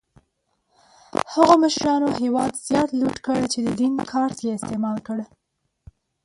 هغو مشرانو هېواد زیات لوټ کړ چې د دین کارت یې استعمال کړ.